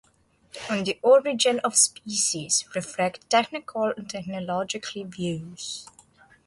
"On the Origin of Species" reflects theological views.